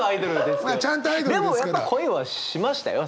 でもやっぱ恋はしましたよ